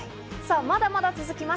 まだまだ続きます。